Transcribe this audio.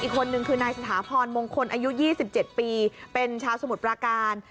อีกคนนึงคือนายสถาพรมงคลอายุ๒๗ปีเป็นชาวสมุทรปราการ